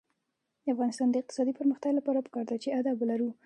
د افغانستان د اقتصادي پرمختګ لپاره پکار ده چې ادب ولرو.